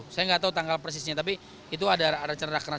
saya nggak tahu tanggal persisnya tapi itu ada cerah kena